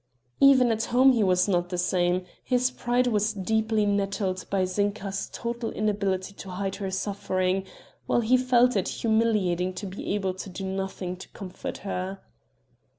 Even at home he was not the same; his pride was deeply nettled by Zinka's total inability to hide her suffering, while he felt it humiliating to be able to do nothing to comfort her.